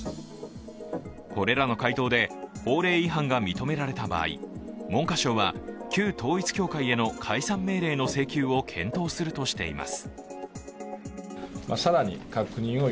これらの回答で法令違反が認められた場合、文科省は旧統一教会への解散命令の請求を検討するとしています。